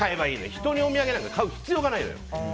人にお土産なんか買う必要がないのよ。